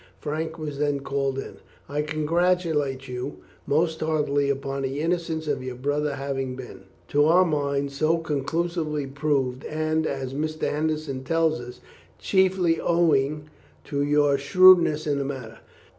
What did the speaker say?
Frank was then called in. "I congratulate you most heartily upon the innocence of your brother having been, to our minds, so conclusively proved, and, as Mr. Henderson tells us, chiefly owing to your shrewdness in the matter.